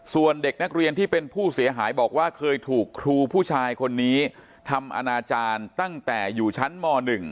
ส่วนเด็กนักเรียนที่เป็นผู้เสียหายบอกว่าเคยถูกครูผู้ชายคนนี้ทำอนาจารย์ตั้งแต่อยู่ชั้นม๑